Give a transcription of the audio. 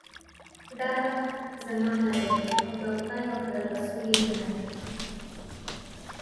دا حق زما نه دی او خدای او رسول یې نه راکوي.